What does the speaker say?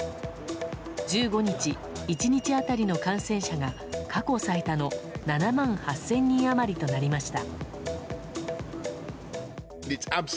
１５日、１日当たりの感染者が過去最多の７万８０００人余りとなりました。